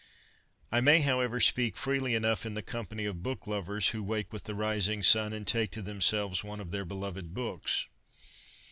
I may, however, speak freely enough in the com pany of book lovers who wake with the rising sun and take to themselves one of their beloved books.